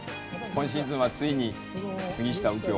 今シーズンはついに杉下右京